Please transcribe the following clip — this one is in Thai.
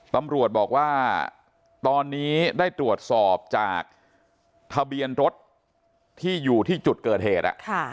ตำรวจบอกว่าตอนนี้ได้ตรวจสอบจากทะเบียนรถที่อยู่ที่จุดเกิดเหตุ